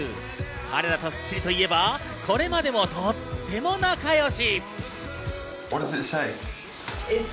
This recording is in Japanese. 彼らと『スッキリ』といえばこれまでもとっても仲よし。